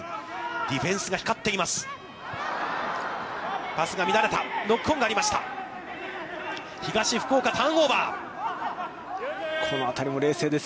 ディフェンスが光っています。